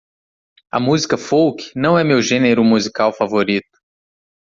A música folk não é meu gênero musical favorito.